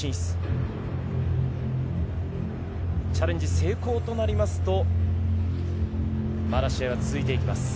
成功となりますと、まだ試合が続いていきます。